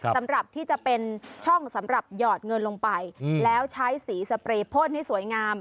สำหรับที่จะเป็นช่องสำหรับหยอดเงินลงไปแล้วใช้สีสเปรย์พ่นให้สวยงาม